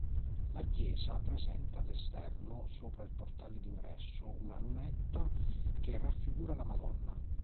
La chiesa presenta all'esterno, sopra il portale d'ingresso, una lunetta che raffigura la Madonna.